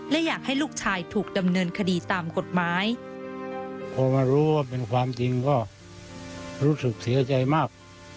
และอยากให้ลูกชายถูกดำเนินคดีตามกฎหมายพอมารู้ว่าเป็นความจริงก็รู้สึกเสียใจมาก